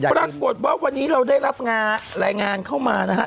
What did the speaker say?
ปรากฏว่าวันนี้เราได้รับรายงานเข้ามานะฮะ